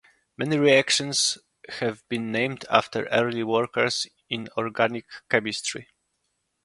Many reactions have been named after early workers in organic chemistry.